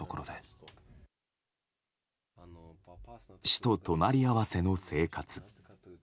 死と隣り合わせの生活。